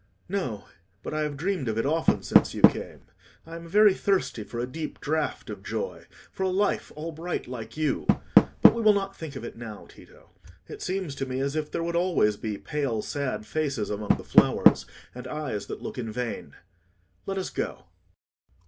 "No; but I have dreamed of it often since you came. I am very thirsty for a deep draught of joy—for a life all bright like you. But we will not think of it now, Tito; it seems to me as if there would always be pale sad faces among the flowers, and eyes that look in vain. Let us go."